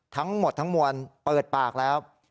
ทั้งหมดทั้งมวลเปิดปากแล้ว